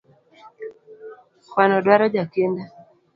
Kwano duaro jakinda